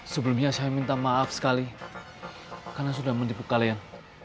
sebelumnya saya minta maaf sekali karena sudah menipu kalian